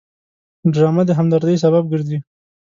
ډرامه د همدردۍ سبب ګرځي